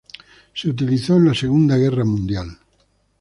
Se utilizó en la Segunda Guerra Mundial.